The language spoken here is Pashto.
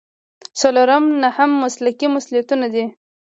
څلورم نهه مسلکي مسؤلیتونه دي.